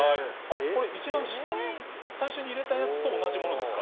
これ一番下に最初に入れたやつと同じものですか？